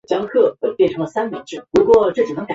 该组织的总部位于尼科西亚。